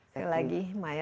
terima kasih mbak desy